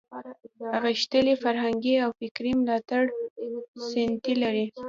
غښتلې فرهنګي او فکري ملاتړې ستنې لري.